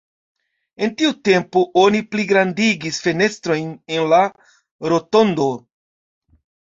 En tiu tempo oni pligrandigis fenestrojn en la rotondo.